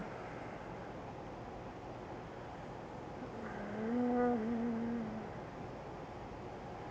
うん。